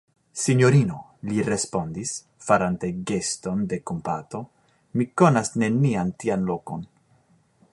Sinjorino, li respondis, farante geston de kompato, mi konas nenian tian lokon.